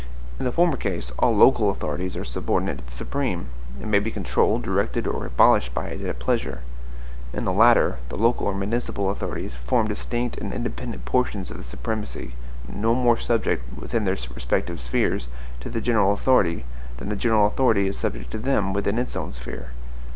In the former case, all local authorities are subordinate to the supreme; and may be controlled, directed, or abolished by it at pleasure. In the latter, the local or municipal authorities form distinct and independent portions of the supremacy, no more subject, within their respective spheres, to the general authority, than the general authority is subject to them, within its own sphere.